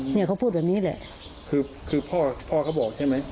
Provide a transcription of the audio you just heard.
เนี่ยเขาพูดแบบนี้แหละคือคือพ่อพ่อก็บอกใช่ไหม